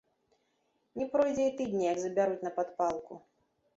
Не пройдзе і тыдня як забяруць на падпалку.